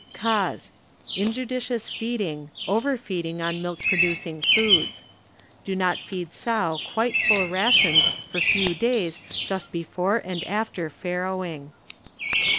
Cause. ŌĆö Injudicious feeding, overfeed ing on milk producing foods. Do not feed sow quite full rations for few days just before and after farrowing.